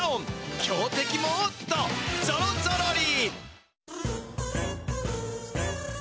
強てきもっとぞろぞろり！